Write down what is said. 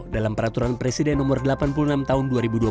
dalam peraturan presiden nomor delapan puluh enam tahun dua ribu dua puluh